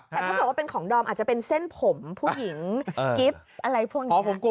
แต่ถ้าเกิดว่าเป็นของดอมอาจจะเป็นเส้นผมผู้หญิงกิฟต์อะไรพวกนี้